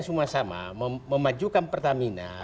semua sama memajukan pertamina